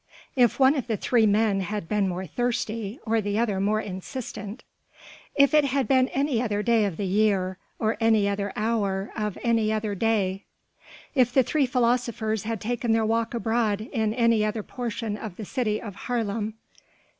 If one of the three men had been more thirsty, or the other more insistent.... If it had been any other day of the year, or any other hour of any other day.... If the three philosophers had taken their walk abroad in any other portion of the city of Haarlem....